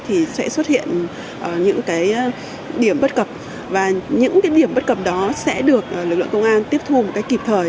thì sẽ xuất hiện những cái điểm bất cập và những điểm bất cập đó sẽ được lực lượng công an tiếp thu một cách kịp thời